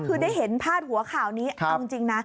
คือได้เห็นพาดหัวข่าวนี้เอาจริงนะ